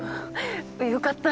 よかった。